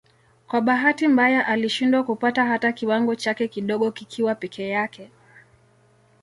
Kwa bahati mbaya alishindwa kupata hata kiwango chake kidogo kikiwa peke yake.